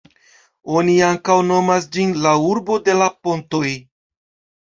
Oni ankaŭ nomas ĝin "La urbo de la pontoj".